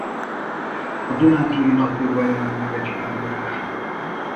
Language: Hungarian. A Dunántúli Naplóban jelent meg egy pár írása.